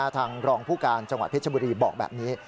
ทางรองผู้การจังหวัดเพชรบุรีบอกแบบนี้